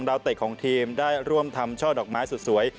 ๒ดาวเต็กของทีมได้ร่วมทำช่อดอกไม้สวย